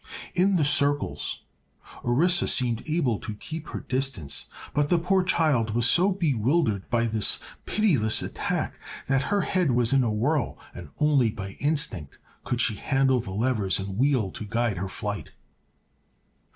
In the circles Orissa seemed able to keep her distance, but the poor child was so bewildered by this pitiless attack that her head was in a whirl and only by instinct could she handle the levers and wheel to guide her flight.